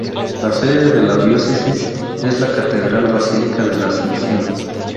La sede de la Diócesis es la Catedral Basílica de la Asunción.